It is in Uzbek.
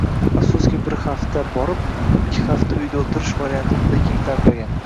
Afsuski, “bir hafta borib, ikki hafta uyda o‘tirish” varianti juda keng tarqalgan.